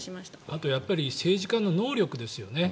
あとやっぱり政治家の能力ですよね。